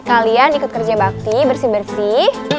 kalian ikut kerja bakti bersih bersih